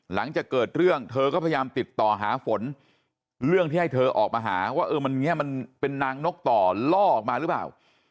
หลังจากเกิดเรื่องเธอก็พยายามติดต่อหาฝนเรื่องที่ให้เธอออกมาหาว่ามันเป็นนางนกต่อล่อออกมาหรือเปล่า